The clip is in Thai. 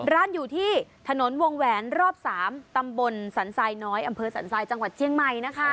ร้านอยู่ที่ถนนวงแหวนรอบ๓ตำบลสันไซน้อยอ้ำเภอสันไซจังหวัดเที่ยงใหม่